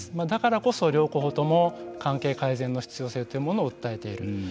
だからこそ両候補とも関係改善の必要性を訴えている。